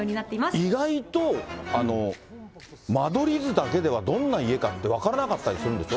意外と、間取り図だけではどんな家かって分からなかったりするんでしょ。